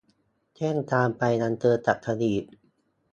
เส้นทางไปอำเภอสัตหีบ